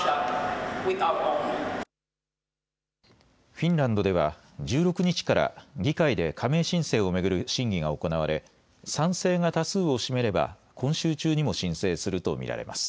フィンランドでは１６日から議会で加盟申請を巡る審議が行われ賛成が多数を占めれば今週中にも申請すると見られます。